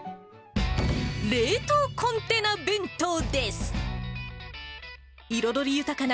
冷凍コンテナ弁当です。